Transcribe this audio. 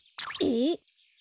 えっ？